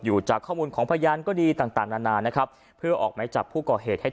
อย่างไรก็เป็นพี่ของป้าป้าก็จะดูแลเอง